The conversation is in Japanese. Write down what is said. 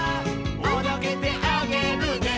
「おどけてあげるね」